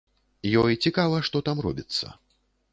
Ёй цікава, што там робіцца.